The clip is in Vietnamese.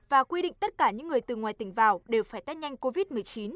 và quy định tất cả những người từ ngoài tỉnh vào đều phải test nhanh covid một mươi chín